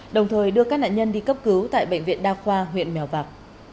đồng thời đưa các nạn nhân đi cấp cứu tại bệnh viện đa khoa huyện mèo vạc